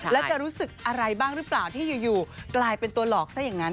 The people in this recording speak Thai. แล้วจะรู้สึกอะไรบ้างหรือเปล่าที่อยู่กลายเป็นตัวหลอกซะอย่างนั้น